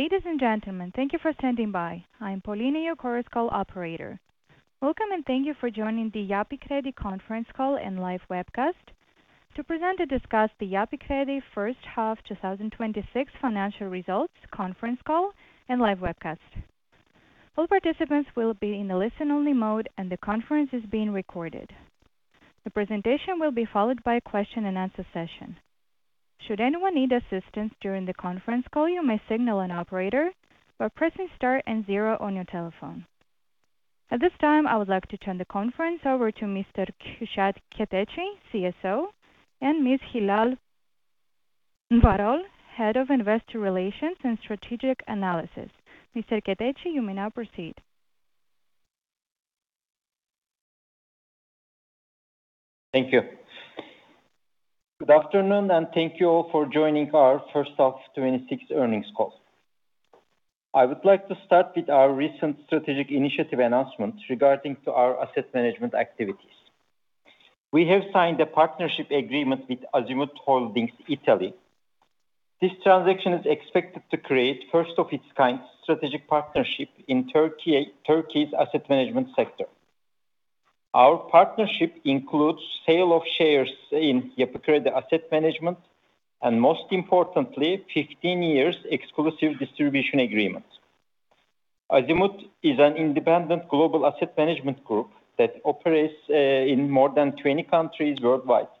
Ladies and gentlemen, thank you for standing by. I'm Paulina, your Chorus Call operator. Welcome, and thank you for joining the Yapı Kredi Conference Call and Live Webcast to present and discuss the Yapı Kredi first half 2026 financial results, conference call, and live webcast. All participants will be in a listen-only mode, and the conference is being recorded. The presentation will be followed by a question-and-answer session. Should anyone need assistance during the conference call, you may signal an operator by pressing star and zero on your telephone. At this time, I would like to turn the conference over to Mr. Kürşat Keteci, CSO, and Ms. Hilal Varol, Head of Investor Relations and Strategic Analysis. Mr. Keteci, you may now proceed. Thank you. Good afternoon, and thank you all for joining our first half 2026 earnings call. I would like to start with our recent strategic initiative announcement regarding our asset management activities. We have signed a partnership agreement with Azimut Holding Italy. This transaction is expected to create first of its kind strategic partnership in Turkey's asset management sector. Our partnership includes sale of shares in Yapı Kredi Asset Management and, most importantly, 15 years exclusive distribution agreement. Azimut is an independent global asset management group that operates in more than 20 countries worldwide,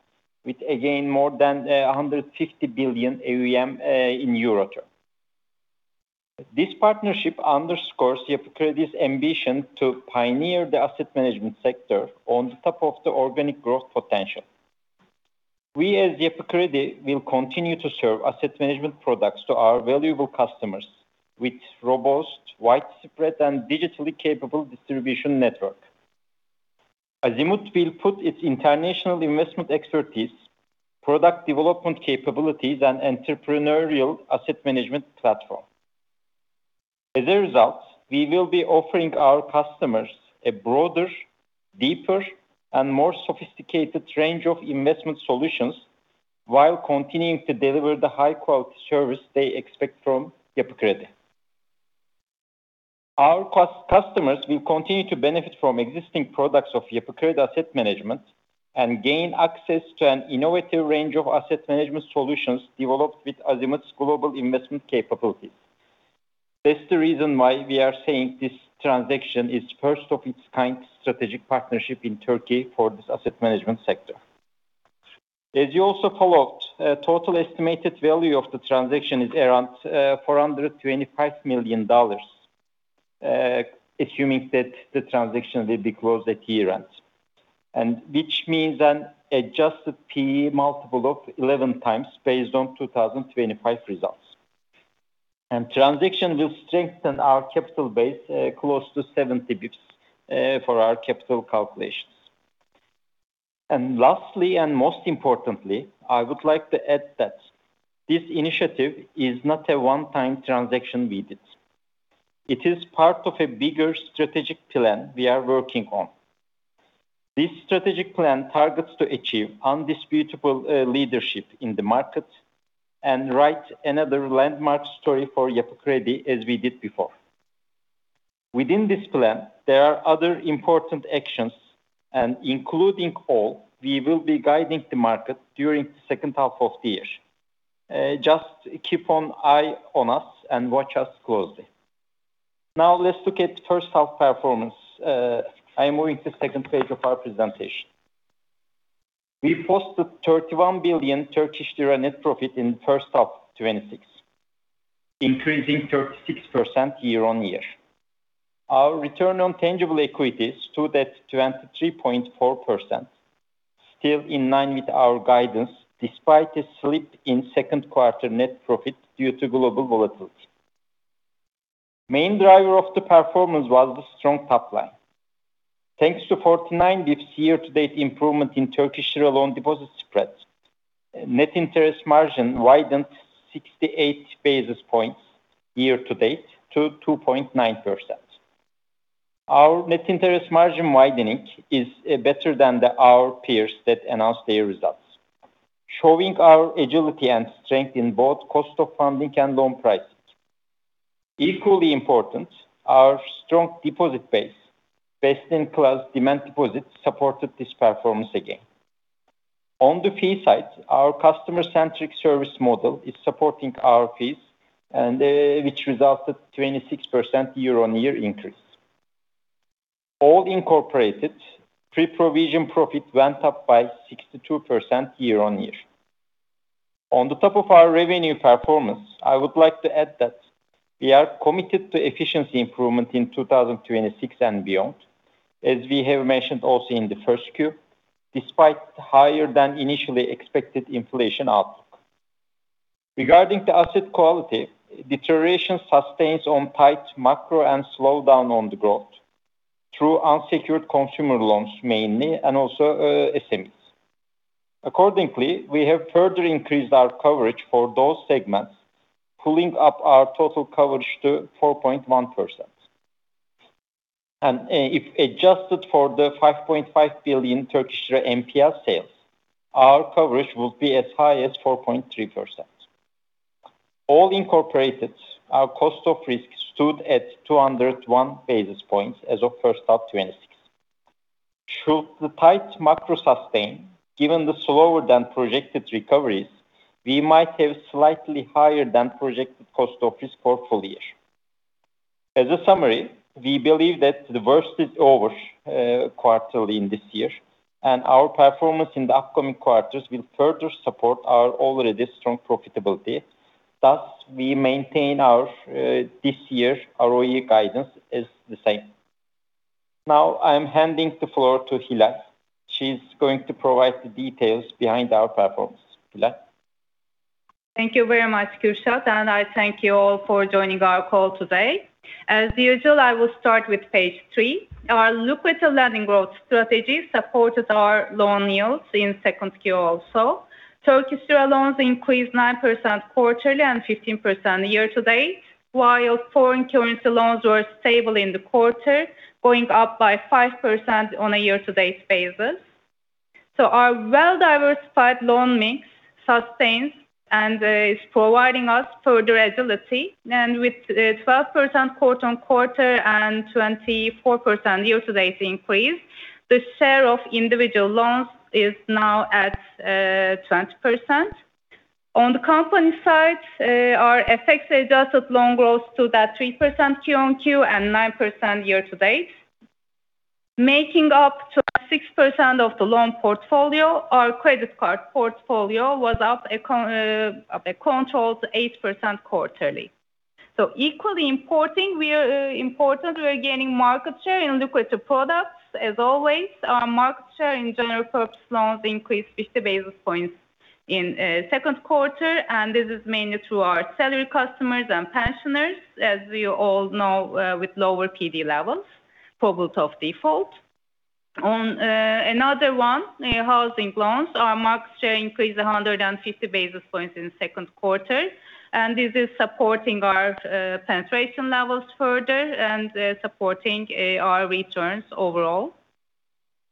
with again, more than 150 billion AUM. This partnership underscores Yapı Kredi's ambition to pioneer the asset management sector on top of the organic growth potential. We, as Yapı Kredi, will continue to serve asset management products to our valuable customers with robust, widespread, and digitally capable distribution network. Azimut will put its international investment expertise, product development capabilities, and entrepreneurial asset management platform. As a result, we will be offering our customers a broader, deeper, and more sophisticated range of investment solutions while continuing to deliver the high-quality service they expect from Yapı Kredi. Our customers will continue to benefit from existing products of Yapı Kredi Asset Management and gain access to an innovative range of asset management solutions developed with Azimut's global investment capabilities. That's the reason why we are saying this transaction is first of its kind strategic partnership in Turkey for this asset management sector. As you also followed, total estimated value of the transaction is around $425 million, assuming that the transaction will be closed at year-end, and which means an adjusted P/E multiple of 11x based on 2025 results. The transaction will strengthen our capital base close to 70 basis points for our capital calculations. Lastly, and most importantly, I would like to add that this initiative is not a one-time transaction we did. It is part of a bigger strategic plan we are working on. This strategic plan targets to achieve undisputable leadership in the market and write another landmark story for Yapı Kredi as we did before. Within this plan, there are other important actions, and including all, we will be guiding the market during the second half of the year. Just keep one eye on us and watch us closely. Now let's look at first half performance. I am moving to second page of our presentation. We posted 31 billion Turkish lira net profit in first half 2026, increasing 36% year-on-year. Our return on tangible equity stood at 23.4%, still in line with our guidance, despite a slip in second quarter net profit due to global volatility. Main driver of the performance was the strong top line. Thanks to 49 basis points year to date improvement in Turkish lira loan deposit spreads, net interest margin widened 68 basis points year to date to 2.9%. Our net interest margin widening is better than our peers that announced their results, showing our agility and strength in both cost of funding and loan prices. Equally important, our strong deposit base, best-in-class demand deposits, supported this performance again. On the fee side, our customer-centric service model is supporting our fees, and which resulted 26% year-on-year increase. All incorporated, pre-provision profit went up by 62% year-on-year. On the top of our revenue performance, I would like to add that we are committed to efficiency improvement in 2026 and beyond, as we have mentioned also in the first quarter, despite higher than initially expected inflation outlook. Regarding the asset quality, deterioration sustains on tight macro and slowdown on the growth through unsecured consumer loans mainly and also SMEs. Accordingly, we have further increased our coverage for those segments, pulling up our total coverage to 4.1%. If adjusted for the 5.5 billion NPL sale, our coverage would be as high as 4.3%. All incorporated, our cost of risk stood at 201 basis points as of first half of 2026. Should the tight macro sustain, given the slower than projected recoveries, we might have slightly higher than projected cost of risk for full year. As a summary, we believe that the worst is over quarterly in this year, our performance in the upcoming quarters will further support our already strong profitability. Thus, we maintain this year's ROE guidance as the same. Now, I'm handing the floor to Hilal. She's going to provide the details behind our performance. Hilal. Thank you very much, Kürşat, and I thank you all for joining our call today. As usual, I will start with page three. Our liquidity lending growth strategy supported our loan yields in Q2 also. Turkish lira loans increased 9% quarterly and 15% year to date, while foreign currency loans were stable in the quarter, going up by 5% on a year-to-date basis. Our well-diversified loan mix sustains and is providing us further agility. With the 12% quarter-on-quarter and 24% year-to-date increase, the share of individual loans is now at 20%. On the company side, our FX-adjusted loan growth stood at 3% quarter-on-quarter and 9% year to date. Making up to 6% of the loan portfolio, our credit card portfolio was up a controlled 8% quarterly. Equally important, we are gaining market share in liquidity products as always. Our market share in general purpose loans increased 50 basis points in Q2. This is mainly through our salary customers and pensioners, as we all know, with lower PD levels, probability of default. On another one, housing loans, our market share increased 150 basis points in Q2, and this is supporting our penetration levels further and supporting our returns overall.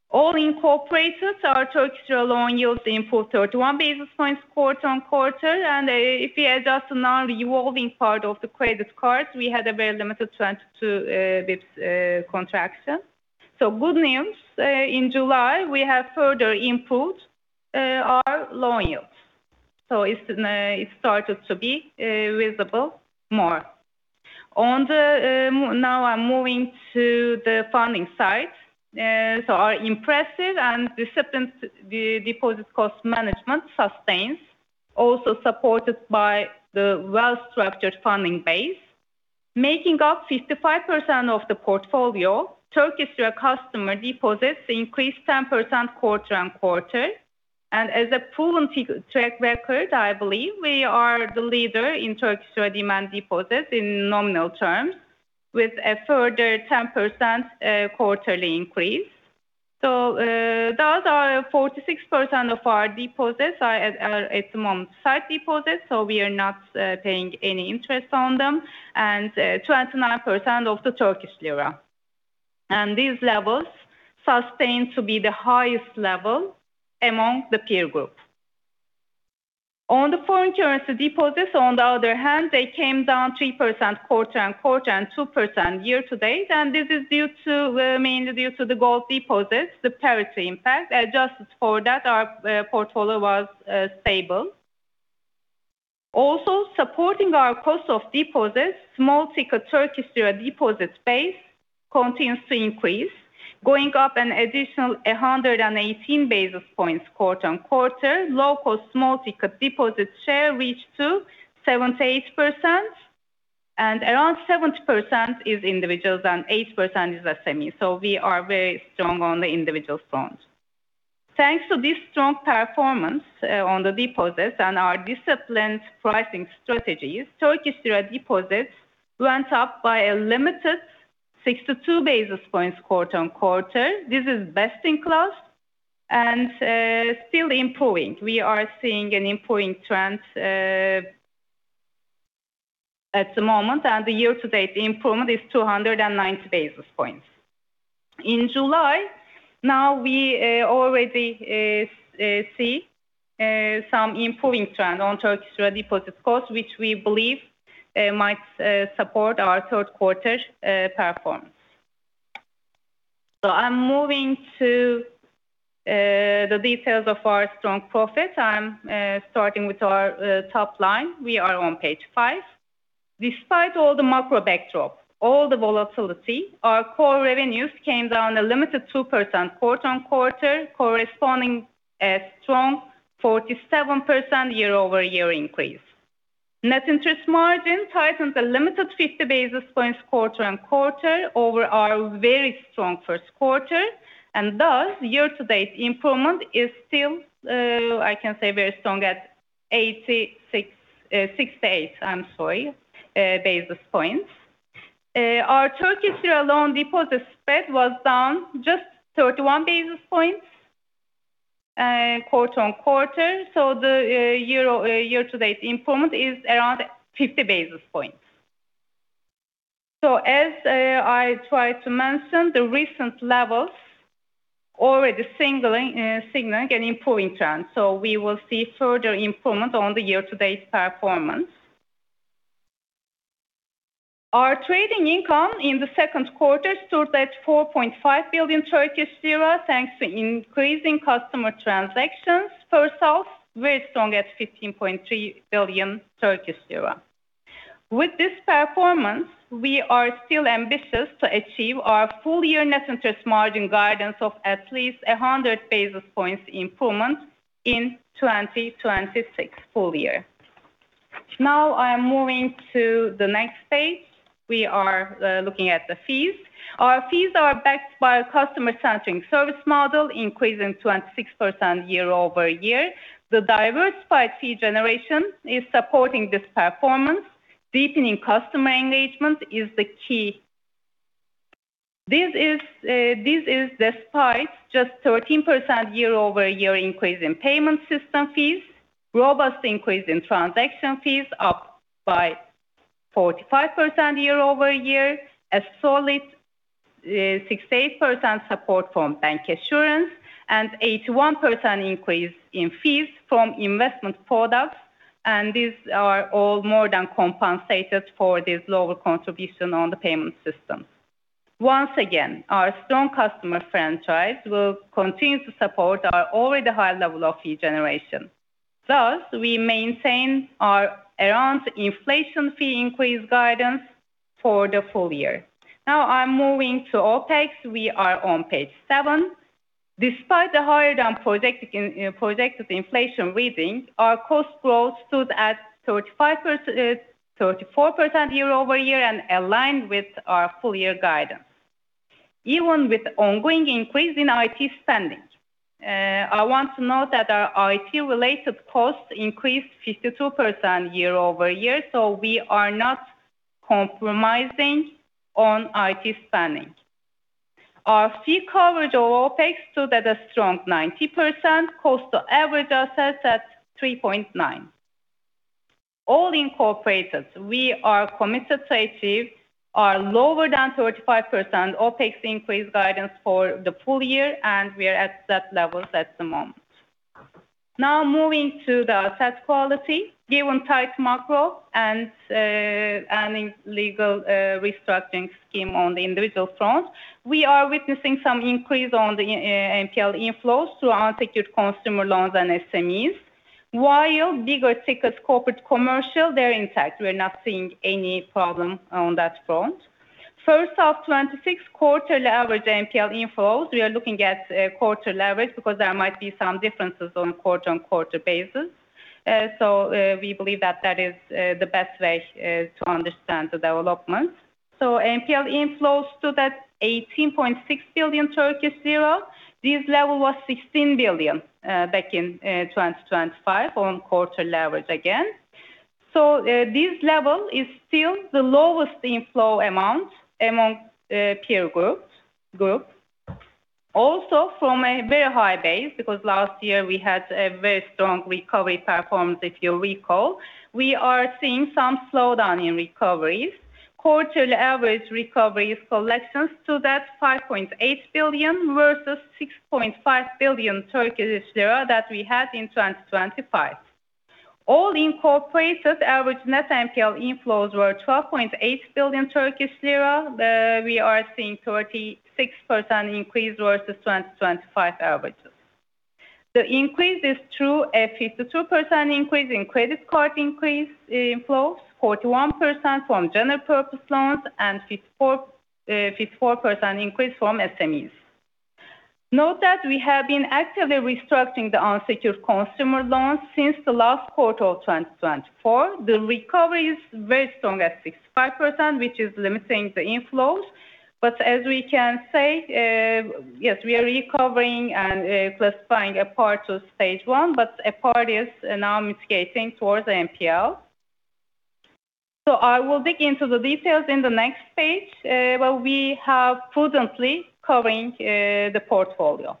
All incorporated, our Turkish lira loan yields improved 31 basis points quarter-on- quarter, and if we adjust the non-revolving part of the credit card, we had a very limited 22 basis points contraction. Good news, in July, we have further improved our loan yields. It started to be visible more. Now I'm moving to the funding side. Our impressive and disciplined deposit cost management sustains, also supported by the well-structured funding base. Making up 55% of the portfolio, Turkish lira customer deposits increased 10% quarter on quarter. As a proven track record, I believe we are the leader in Turkish lira demand deposits in nominal terms, with a further 10% quarterly increase. Those are 46% of our deposits are at the moment sight deposits, so we are not paying any interest on them, and 29% of the Turkish lira. These levels sustained to be the highest level among the peer group. On the foreign currency deposits, on the other hand, they came down 3% quarter on quarter and 2% year to date. This is mainly due to the gold deposits, the parity impact. Adjusted for that, our portfolio was stable. Also supporting our cost of deposits, small ticket Turkish lira deposit base continues to increase, going up an additional 118 basis points quarter-on-quarter. Local small ticket deposit share reached to 78%, and around 70% is individuals and 8% is SME. We are very strong on the individual front. Thanks to this strong performance on the deposits and our disciplined pricing strategies, Turkish lira deposits went up by a limited 62 basis points quarter-on-quarter. This is best in class and still improving. We are seeing an improving trend at the moment. The year to date improvement is 290 basis points. In July, now we already see some improving trend on Turkish lira deposit cost, which we believe might support our third quarter performance. I'm moving to the details of our strong profits. I'm starting with our top line. We are on page five. Despite all the macro backdrop, all the volatility, our core revenues came down a limited 2% quarter on quarter, corresponding a strong 47% year over year increase. Net interest margin tightens a limited 50 basis points quarter on quarter over our very strong first quarter. Thus, year to date improvement is still, I can say, very strong at 68 basis points. Our Turkish lira loan deposit spread was down just 31 basis points quarter-on-quarter. The year-to-date improvement is around 50 basis points. As I tried to mention, the recent levels already signaling an improving trend, so we will see further improvement on the year-to-date performance. Our trading income in the second quarter stood at 4.5 billion Turkish lira, thanks to increasing customer transactions. First half, very strong at 15.3 billion Turkish lira. With this performance, we are still ambitious to achieve our full-year net interest margin guidance of at least 100 basis points improvement in 2026 full year. I am moving to the next page. We are looking at the fees. Our fees are backed by a customer-centric service model, increasing 26% year-over-year. The diversified fee generation is supporting this performance. Deepening customer engagement is the key. This is despite just 13% year-over-year increase in payment system fees, robust increase in transaction fees up by 45% year-over-year, a solid 68% support from bank assurance, and 81% increase in fees from investment products. These are all more than compensated for this lower contribution on the payment system. Once again, our strong customer franchise will continue to support our already high level of fee generation. We maintain our around inflation fee increase guidance for the full year. I'm moving to OpEx. We are on page seven. Despite the higher-than-projected inflation readings, our cost growth stood at 34% year-over-year and aligned with our full-year guidance. Even with ongoing increase in IT spending. I want to note that our IT-related costs increased 52% year-over-year, we are not compromising on IT spending. Our fee coverage of OpEx stood at a strong 90%, cost to average assets at 3.9%. All incorporated, we are committed to achieve our lower than 35% OpEx increase guidance for the full year, and we are at that levels at the moment. Moving to the asset quality. Given tight macro and a legal restructuring scheme on the individual front, we are witnessing some increase on the NPL inflows to unsecured consumer loans and SMEs. While bigger tickets, corporate, commercial, they're intact. We're not seeing any problem on that front. First half 2026 quarter average NPL inflows, we are looking at quarter average because there might be some differences on a quarter-on-quarter basis. We believe that that is the best way to understand the development. NPL inflows stood at 18.6 billion. This level was 16 billion back in 2025 on quarter average again. This level is still the lowest inflow amount among peer groups. Also, from a very high base, because last year we had a very strong recovery performance, if you recall. We are seeing some slowdown in recoveries. Quarterly average recovery collections stood at 5.8 billion versus 6.5 billion Turkish lira that we had in 2025. All incorporated, average net NPL inflows were 12.8 billion Turkish lira. We are seeing 36% increase versus 2025 averages. The increase is through a 52% increase in credit card increase inflows, 41% from general purpose loans, and 54% increase from SMEs. Note that we have been actively restructuring the unsecured consumer loans since the last quarter of 2024. The recovery is very strong at 65%, which is limiting the inflows. As we can say, yes, we are recovering and classifying a part of Stage 1, but a part is now mitigating towards NPL. I will dig into the details in the next page, where we have prudently covering the portfolio.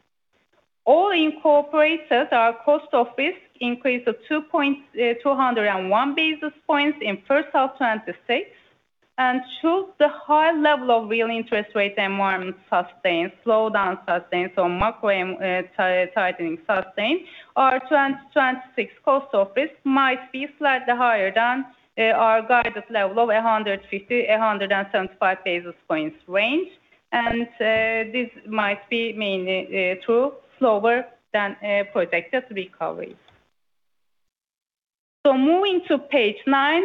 All incorporated, our cost of risk increased to 201 basis points in first half 2026, and should the high level of real interest rate environment sustained, slow down sustained, macro tightening sustained, our 2026 cost of risk might be slightly higher than our guided level of 150-175 basis points range. This might be mainly through slower than projected recoveries. Moving to page nine,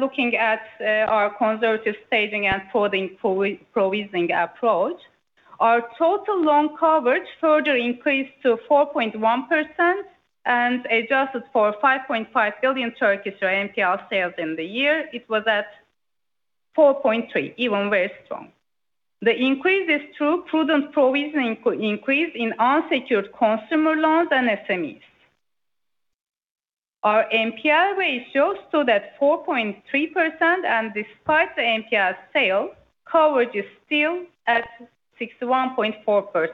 looking at our conservative staging and provisioning approach. Our total loan coverage further increased to 4.1% and adjusted for 5.5 billion NPL sales in the year, it was at 4.3%, even very strong. The increase is through prudent provisioning increase in unsecured consumer loans and SMEs. Our NPL ratio stood at 4.3%, and despite the NPL sale, coverage is still at 61.4%.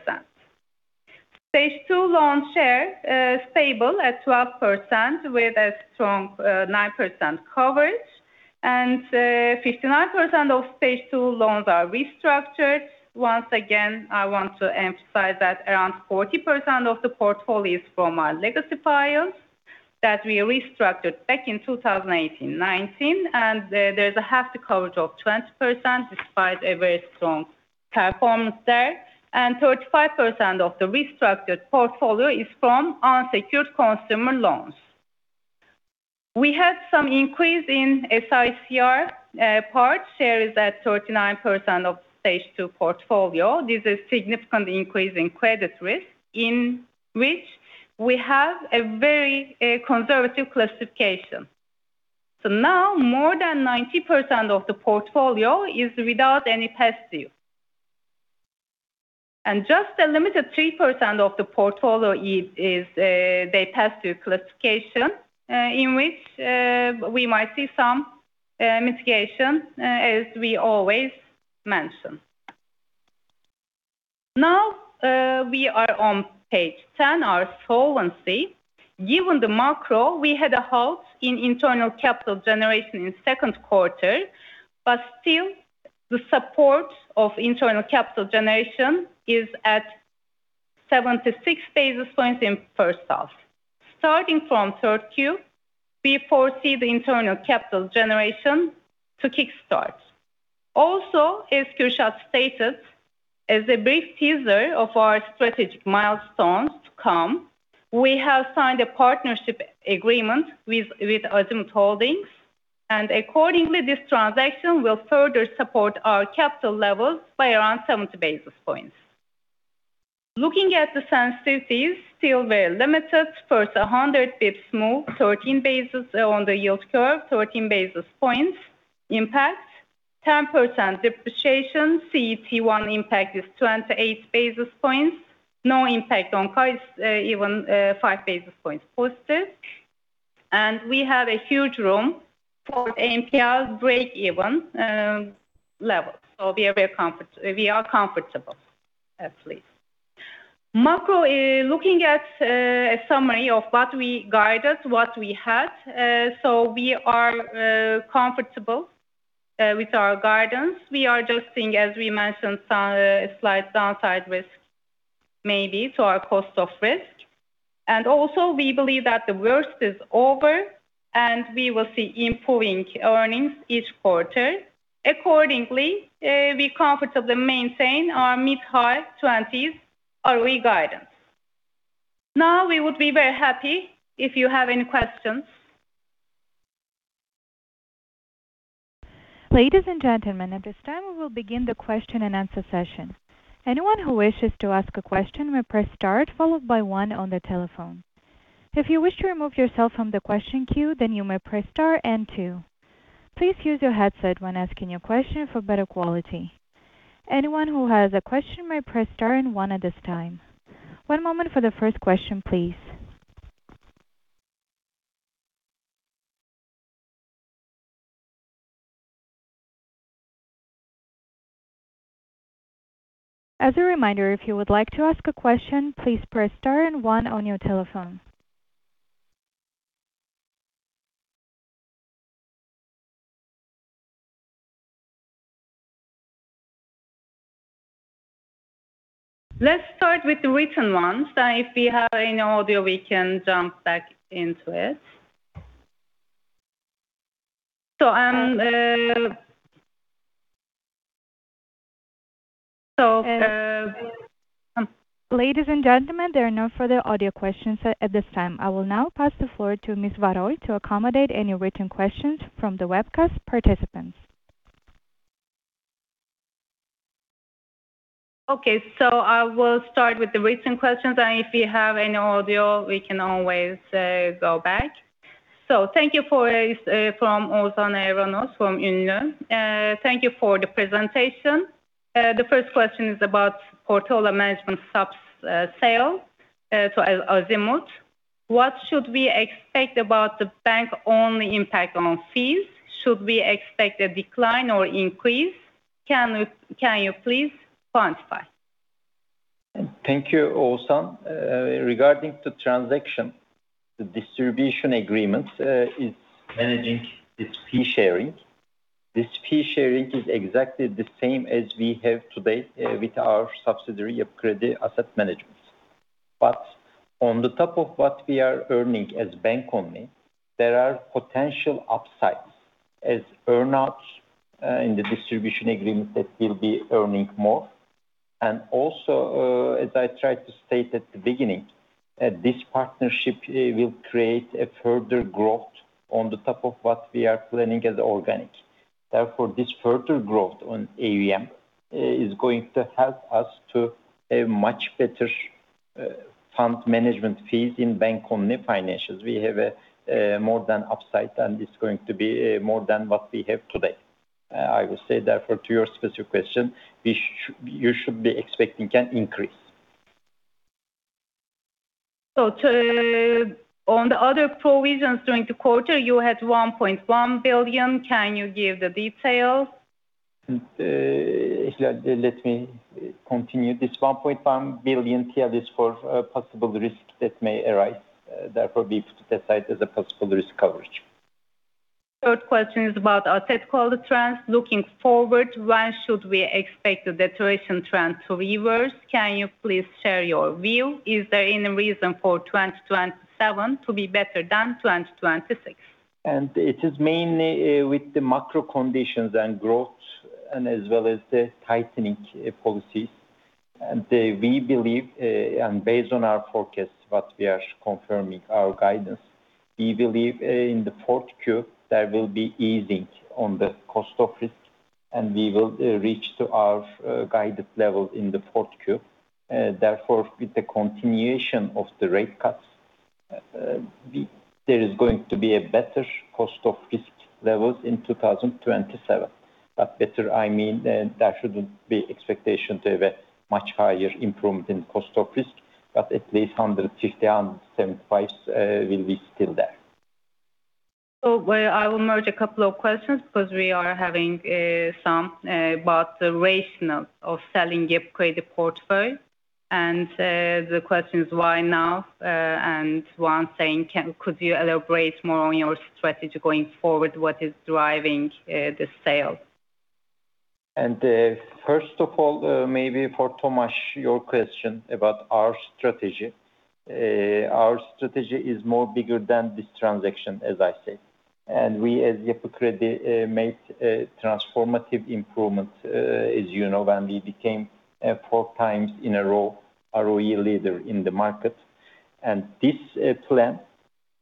Stage 2 loan share is stable at 12%, with a strong 9% coverage, and 59% of Stage 2 loans are restructured. Once again, I want to emphasize that around 40% of the portfolio is from our legacy files that we restructured back in 2018/2019, and there's a hefty coverage of 20%, despite a very strong performance there. 35% of the restructured portfolio is from unsecured consumer loans. We have some increase in SICR part share is at 39% of Stage 2 portfolio. This is a significant increase in credit risk, in which we have a very conservative classification. Now more than 90% of the portfolio is without any past due. Just a limited 3% of the portfolio is the past due classification, in which we might see some mitigation, as we always mention. Now, we are on page 10, our solvency. Given the macro, we had a halt in internal capital generation in second quarter, but still the support of internal capital generation is at 76 basis points in first half. Starting from 3Q, we foresee the internal capital generation to kick start. As Kürşat stated, as a brief teaser of our strategic milestones to come, we have signed a partnership agreement with Azimut Holding, and accordingly, this transaction will further support our capital levels by around 70 basis points. Looking at the sensitivities, still very limited. First, 100 basis points move, 13 basis points on the yield curve, 13 basis points impact. 10% depreciation CET1 impact is 28 basis points. No impact on CORs, even five basis points posted. We have a huge room for the NPL breakeven level. We are comfortable, at least. Looking at a summary of what we guided, what we had. We are comfortable with our guidance. We are just seeing, as we mentioned, a slight downside risk maybe to our cost of risk. Also we believe that the worst is over and we will see improving earnings each quarter. Accordingly, we comfortably maintain our mid-high 20s ROE guidance. We would be very happy if you have any questions. Ladies and gentlemen, at this time we will begin the question-and-answer session. Anyone who wishes to ask a question may press star followed by one on the telephone. If you wish to remove yourself from the question queue, you may press star and two. Please use your headset when asking your question for better quality. Anyone who has a question may press star and one at this time. One moment for the first question, please. As a reminder, if you would like to ask a question, please press star and one on your telephone. Let's start with the written ones. If we have any audio, we can jump back into it. Ladies and gentlemen, there are no further audio questions at this time. I will now pass the floor to Ms. Varol to accommodate any written questions from the webcast participants. I will start with the written questions, and if we have any audio, we can always go back. Thank you for this from [Ozan Eronat from Inan]. Thank you for the presentation. The first question is about portfolio management subs sale to Azimut. What should we expect about the bank-only impact on fees? Should we expect a decline or increase? Can you please quantify? Thank you, Ozan. Regarding the transaction, the distribution agreement is managing this fee sharing. This fee sharing is exactly the same as we have today with our subsidiary Yapı Kredi Asset Management. On the top of what we are earning as bank-only, there are potential upsides as earn-outs in the distribution agreement that we'll be earning more. Also, as I tried to state at the beginning, this partnership will create a further growth on the top of what we are planning as organic. Therefore, this further growth on AUM is going to help us to have much better fund management fees in bank-only financials. We have more than upside, and it's going to be more than what we have today. I would say, therefore, to your specific question, you should be expecting an increase. On the other provisions during the quarter, you had 1.1 billion. Can you give the details? Let me continue. This 1.1 billion here is for possible risks that may arise. Therefore, we put aside as a possible risk coverage. Third question is about asset quality trends. Looking forward, when should we expect the deterioration trend to reverse? Can you please share your view? Is there any reason for 2027 to be better than 2026? It is mainly with the macro conditions and growth, as well as the tightening policies. Based on our forecast, what we are confirming our guidance, we believe in the 4Q, there will be easing on the cost of risk, and we will reach to our guided level in the 4Q. Therefore, with the continuation of the rate cuts, there is going to be a better cost of risk levels in 2027. Better, I mean, there shouldn't be expectation to have a much higher improvement in cost of risk, but at least 150-175 will be still there. I will merge a couple of questions because we are having some about the rationale of selling Yapı Kredi Portföy. The question is why now? One saying, could you elaborate more on your strategy going forward? What is driving the sale? First of all, maybe for Thomas, your question about our strategy. Our strategy is more bigger than this transaction, as I said. We, as Yapı Kredi, made a transformative improvement, as you know, when we became four times in a row ROE leader in the market. This plan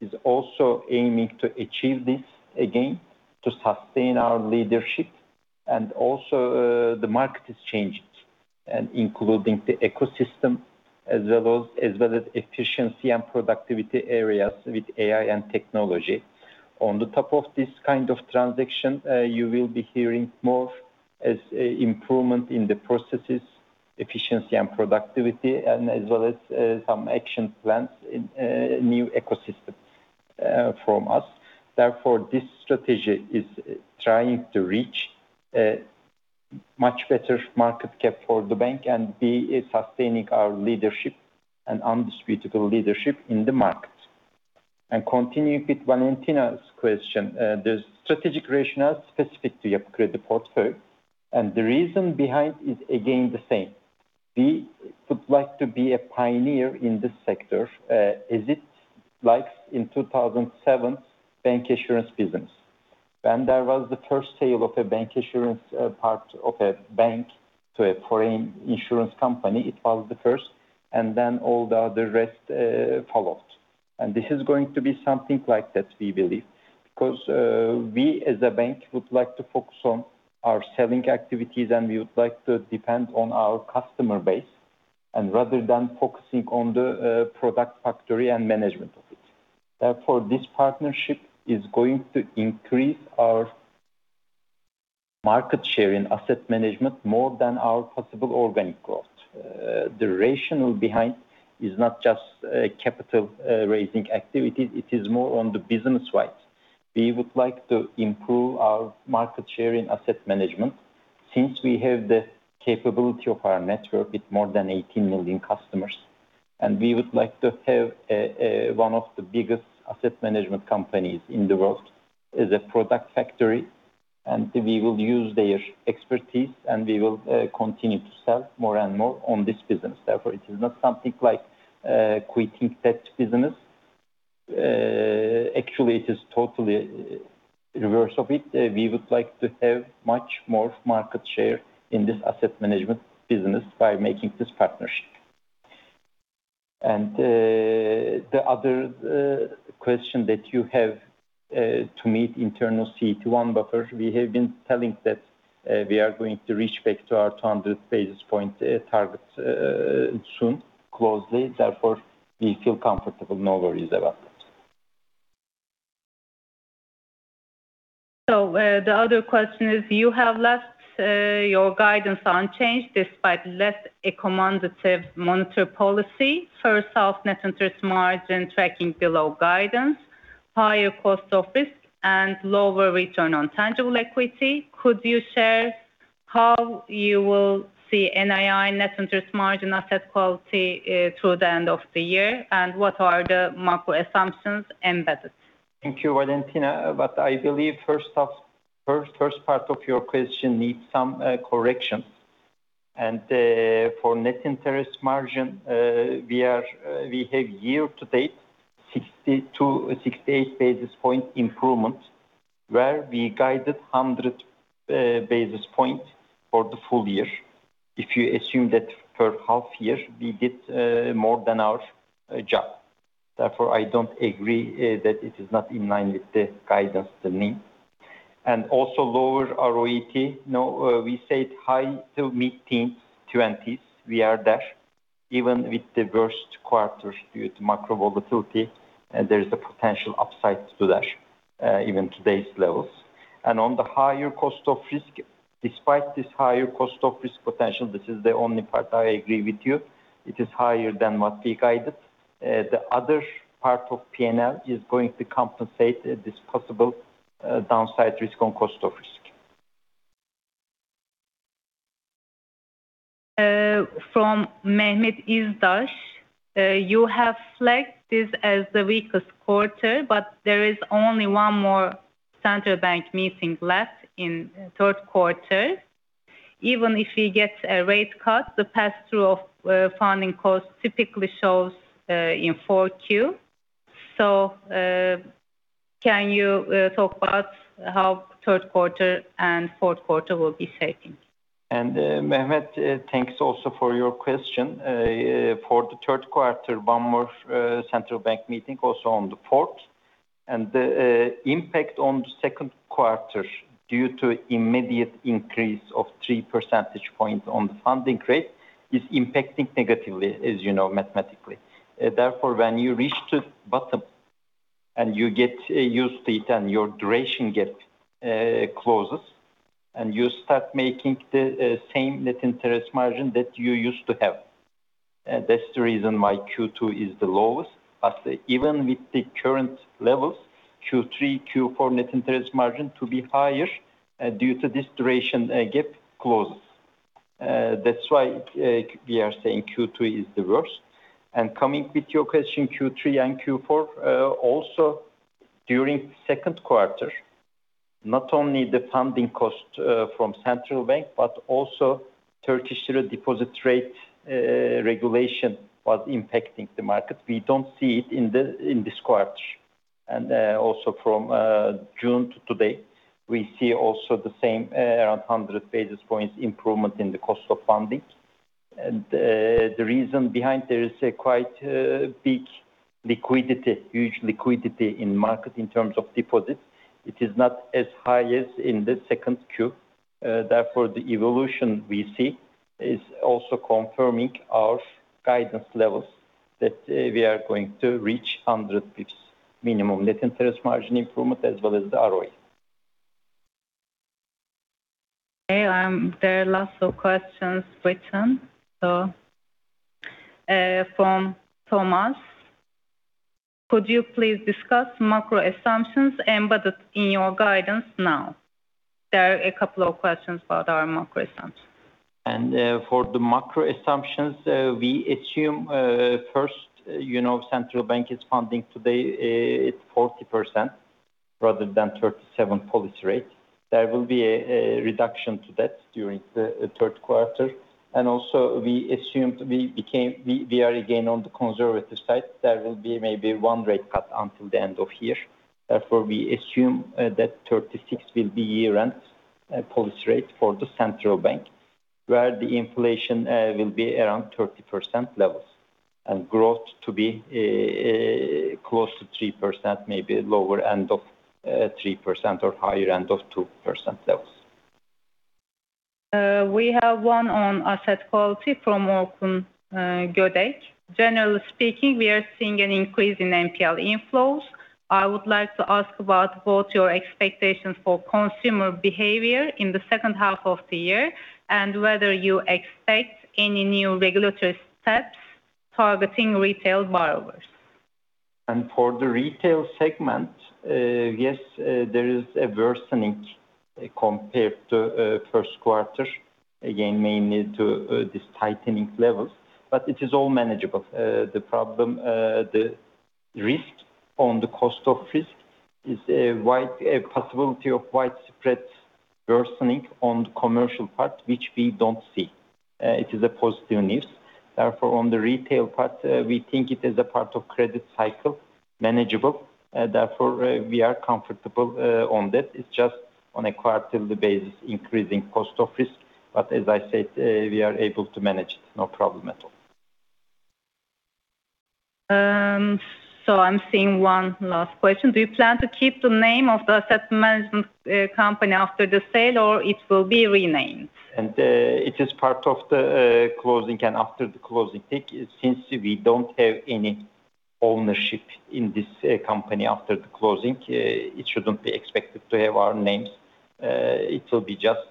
is also aiming to achieve this again, to sustain our leadership. Also, the market is changing, including the ecosystem as well as efficiency and productivity areas with AI and technology. On the top of this kind of transaction, you will be hearing more as improvement in the processes, efficiency and productivity, as well as some action plans in new ecosystems from us. Therefore, this strategy is trying to reach a much better market cap for the bank, we are sustaining our leadership and undisputable leadership in the market. Continuing with Valentina's question, the strategic rationale specific to Yapı Kredi Portföy. The reason behind is again the same. We would like to be a pioneer in this sector, as it likes in 2007 bank insurance business. When there was the first sale of a bank insurance part of a bank to a foreign insurance company, it was the first, then all the other rest followed. This is going to be something like that, we believe, because we as a bank would like to focus on our selling activities, we would like to depend on our customer base, rather than focusing on the product factory and management of it. Therefore, this partnership is going to increase our market share in asset management more than our possible organic growth. The rationale behind is not just capital-raising activities, it is more on the business side. We would like to improve our market share in asset management since we have the capability of our network with more than 18 million customers. We would like to have one of the biggest asset management companies in the world as a product factory, and we will use their expertise, and we will continue to sell more and more on this business. It is not something like quitting that business. Actually, it is totally reverse of it. We would like to have much more market share in this asset management business by making this partnership. The other question that you have to meet internal CET1 buffer. We have been telling that we are going to reach back to our 200 basis point targets soon, closely. We feel comfortable. No worries about it. The other question is you have left your guidance unchanged despite less accommodative monetary policy. First half net interest margin tracking below guidance, higher cost of risk, and lower return on tangible equity. Could you share how you will see NII net interest margin asset quality through the end of the year, and what are the macro assumptions embedded? Thank you, Valentina. I believe first part of your question needs some correction. For net interest margin, we have year to date 68 basis point improvement, where we guided 100 basis point for the full year. If you assume that per half year, we did more than our job. I don't agree that it is not in line with the guidance, the NIM. Also lower ROTE. No, we said high to mid-teens, 20s. We are there. Even with the worst quarters due to macro volatility, there is a potential upside to that, even today's levels. On the higher cost of risk, despite this higher cost of risk potential, this is the only part I agree with you, it is higher than what we guided. The other part of P&L is going to compensate this possible downside risk on cost of risk. From [Mehmet Izdash]. You have flagged this as the weakest quarter, there is only one more central bank meeting left in third quarter. Even if we get a rate cut, the pass-through of funding costs typically shows in 4Q. Can you talk about how third quarter and fourth quarter will be shaping? Mehmet, thanks also for your question. For the third quarter, one more central bank meeting also on the fourth. The impact on the second quarter due to immediate increase of 3 percentage points on the funding rate is impacting negatively as you know mathematically. Therefore, when you reach to bottom and you get a yield date and your duration gap closes, you start making the same net interest margin that you used to have. That's the reason why Q2 is the lowest as even with the current levels, Q3, Q4 Net interest margin to be higher due to this duration gap close. That's why we are saying Q2 is the worst. Coming with your question, Q3 and Q4, also during second quarter, not only the funding cost from central bank, but also Turkish lira deposit rate regulation was impacting the market. We don't see it in this quarter. Also from June to today, we see also the same around 100 basis points improvement in the cost of funding. The reason behind there is a quite big liquidity, huge liquidity in market in terms of deposits. It is not as high as in the 2Q. Therefore, the evolution we see is also confirming our guidance levels that we are going to reach 100 basis points minimum net interest margin improvement as well as the ROE. Okay. There are lots of questions written. From Thomas, could you please discuss macro assumptions embedded in your guidance now? There are a couple of questions about our macro assumptions. For the macro assumptions, we assume first, central bank is funding today at 40% rather than 37% policy rate. There will be a reduction to that during the third quarter. Also we assume we are again, on the conservative side. There will be maybe one rate cut until the end of year. Therefore, we assume that 36% will be year-end policy rate for the central bank, where the inflation will be around 30% levels and growth to be close to 3%, maybe lower end of 3% or higher end of 2% levels. We have one on asset quality from Orkun Gödek. Generally speaking, we are seeing an increase in NPL inflows. I would like to ask about what's your expectations for consumer behavior in the second half of the year, and whether you expect any new regulatory steps targeting retail borrowers. For the retail segment, yes, there is a worsening compared to first quarter, again, mainly to this tightening levels. It is all manageable. The risk on the cost of risk is a possibility of wide spreads worsening on the commercial part, which we don't see. It is a positive news. On the retail part, we think it is a part of credit cycle, manageable. We are comfortable on that. It's just on a quarterly basis, increasing cost of risk. As I said, we are able to manage it. No problem at all. I'm seeing one last question. Do you plan to keep the name of the asset management company after the sale, or it will be renamed? It is part of the closing and after the closing date. Since we don't have any ownership in this company after the closing, it shouldn't be expected to have our names. It will be just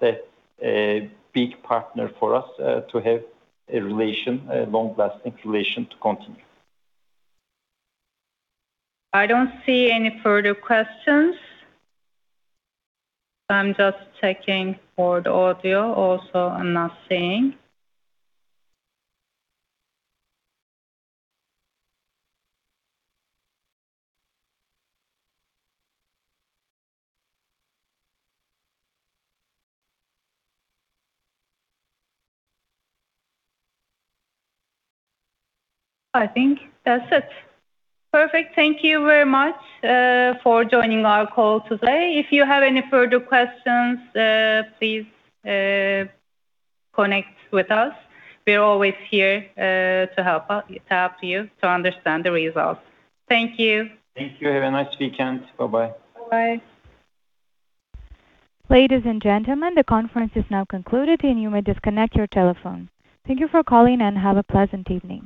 a big partner for us to have a long-lasting relation to continue. I don't see any further questions. I'm just checking for the audio also. I'm not seeing. I think that's it. Perfect. Thank you very much for joining our call today. If you have any further questions, please connect with us. We are always here to help you to understand the results. Thank you. Thank you. Have a nice weekend. Bye-bye. Bye-bye. Ladies and gentlemen, the conference is now concluded, and you may disconnect your telephone. Thank you for calling and have a pleasant evening.